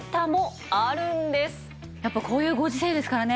やっぱこういうご時世ですからね